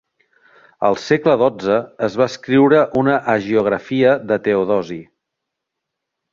Al segle XII es va escriure una hagiografia de Teodosi.